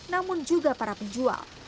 namun juga para penjual